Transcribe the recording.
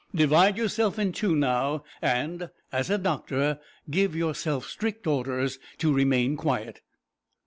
Divide yourself in two, now, and, as a doctor, give yourself strict orders to remain quiet."